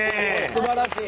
すばらしい！